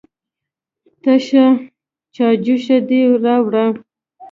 _تشه چايجوشه دې راوړه؟